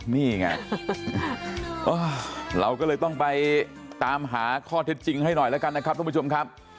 นี่ไงเราก็เลยต้องไปตามหาข้อเท็จจริงให้หน่อยแล้วกันนะครับทุกผู้ชมครับ